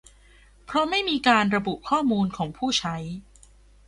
เพราะไม่มีการระบุข้อมูลของผู้ใช้